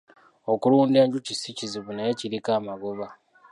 Okulunda enjuki si kizibu naye kiriko amagoba.